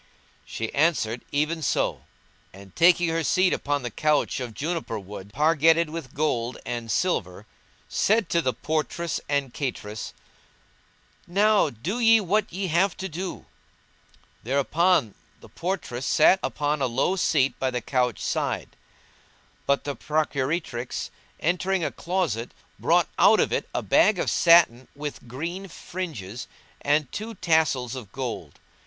"[FN#176] She answered, "Even so"; and, taking her seat upon the couch of juniper wood, pargetted with gold and silver, said to the portress and cateress, "Now do ye what ye have to do." Thereupon the portress sat upon a low seat by the couch side; but the procuratrix, entering a closet, brought out of it a bag of satin with green fringes and two tassels of gold.